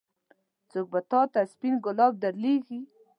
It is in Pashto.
څوک به تا ته سپين ګلاب درلېږي.